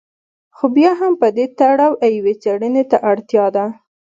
خو بیا هم په دې تړاو یوې څېړنې ته اړتیا ده.